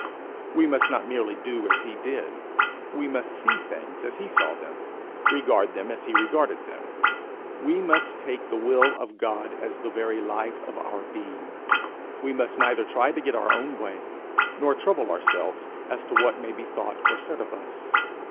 We must not merely do as he did; we must see things as he saw them, regard them as he regarded them; we must take the will of God as the very life of our being; we must neither try to get our own way, nor trouble ourselves as to what may be thought or said of us.